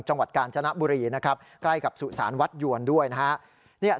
จังหวัดกาญจนบุรีนะครับใกล้กับสุสานวัดยวนด้วยนะฮะ